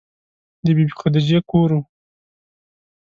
د بې بي خدیجې کور و.